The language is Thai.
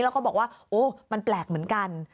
แล้วก็บอกว่าโอ้มันแปลกเหมือนกัน